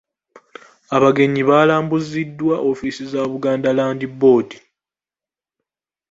Abagenyi baalambuziddwa ofiisi za Buganda Land Board.